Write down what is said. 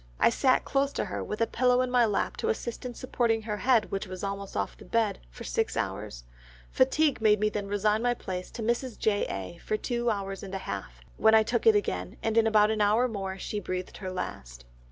I sat close to her with a pillow in my lap to assist in supporting her head which was almost off the bed, for six hours; fatigue made me then resign my place to Mrs. J. A. for two hours and a half, when I took it again, and in about an hour more she breathed her last.